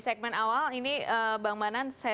segmen awal ini bang manan saya